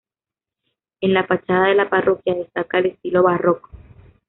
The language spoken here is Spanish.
En la fachada de la parroquia destaca el estilo barroco.